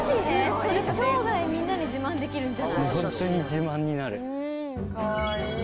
それ生涯みんなに自慢できるんじゃない？